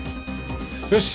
よし！